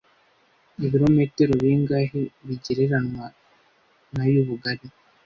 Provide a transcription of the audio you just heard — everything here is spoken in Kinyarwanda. Ibirometero bingahe bigereranwa na y'ubugari